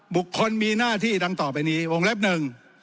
บุคคลมีหน้าที่ดังต่อไปนี้วงเล็บหนึ่ง